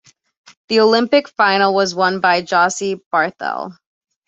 The Olympic final was won by Josy Barthel.